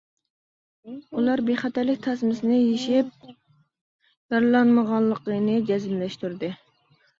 ئۇلار بىخەتەرلىك تاسمىسىنى يېشىپ، يارىلانمىغانلىقىنى جەزملەشتۈردى.